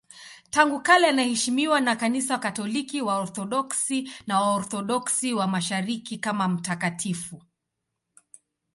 Tangu kale anaheshimiwa na Kanisa Katoliki, Waorthodoksi na Waorthodoksi wa Mashariki kama mtakatifu.